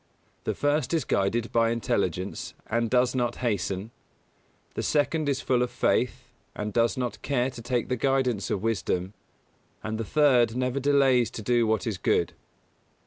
The first is guided by Intelligence and does not hasten; the second is full of Faith, and does not care to take the guidance of Wisdom; and the third never delays to do what is good.